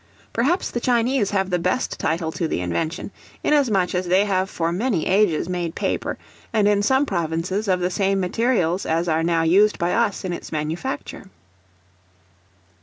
Perhaps the Chinese have the best title to the invention, inasmuch as they have for many ages made paper, and in some provinces of the same materials as are now used by us in its manufacture.